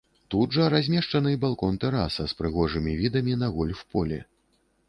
Тут жа размешчаны балкон-тэраса з прыгожымі відамі на гольф-поле.